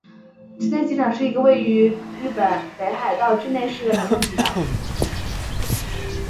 稚内机场一个位于日本北海道稚内市的民用机场。